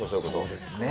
そうですね。